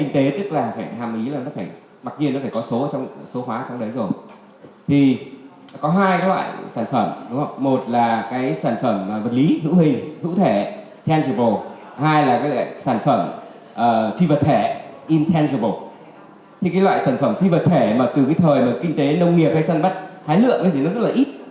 thì cái loại sản phẩm phi vật thể mà từ cái thời mà kinh tế nông nghiệp hay sân bắt thái lượng thì nó rất là ít